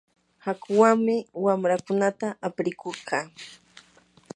hakuwanmi wamraakunata aprikurqaa.